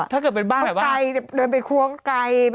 ถ้าเกิดเป็นบ้านแบบว่าไปไกลเดินไปครัวไกล